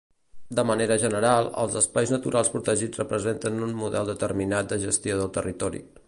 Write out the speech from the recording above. De manera general, els espais naturals protegits representen un model determinat de gestió del territori.